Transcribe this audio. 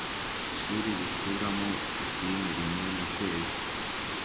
Ishuri rikuramo pisine rimwe mu kwezi.